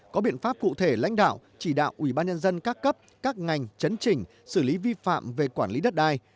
có biện pháp cụ thể lãnh đạo chỉ đạo ubnd các cấp các ngành chấn trình xử lý vi phạm về quản lý đất đai